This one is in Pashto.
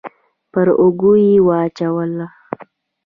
پر اوږه يې واچوله.